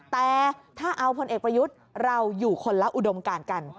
แต่ถ้าเอาพลเอกประยุทธ์เราอยู่คนละอุดมการกัน